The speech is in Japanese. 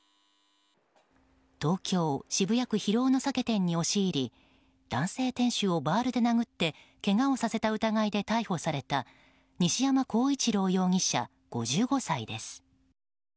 東京・渋谷区広尾の酒店に押し入り男性店主をバールで殴ってけがをさせた疑いで逮捕された西山幸一郎容疑者、５５歳です。